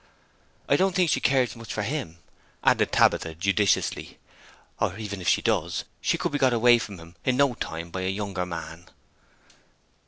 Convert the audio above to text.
'I don't think she cares much for him,' added Tabitha judicially. 'Or, even if she does, she could be got away from him in no time by a younger man.'